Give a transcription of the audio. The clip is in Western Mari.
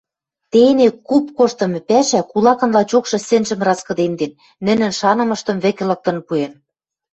Тене куп коштымы пӓшӓ кулакын лачокшы сӹнжӹм раскыдемден, нӹнӹн шанымыштым вӹкӹ лыктын пуэн.